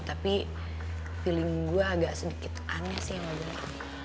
tapi feeling gue agak sedikit aneh sih sama gue